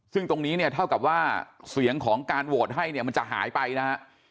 ซึ่งตรงนี้เนี่ยเท่ากับว่าเสียงของการโหวตให้เนี่ยมันจะหายไปนะฮะ